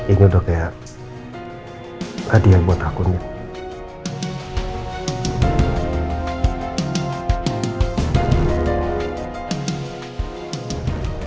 ini udah kayak hadiah buat aku nih